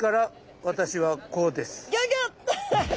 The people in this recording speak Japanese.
ギョギョッと！